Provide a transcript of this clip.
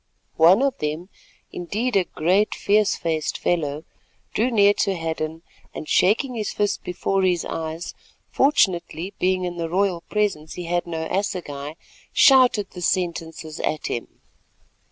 One of them, indeed, a great fierce faced fellow, drew near to Hadden and shaking his fist before his eyes—fortunately being in the royal presence he had no assegai—shouted the sentences at him.